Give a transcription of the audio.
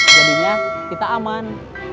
jadinya kita aman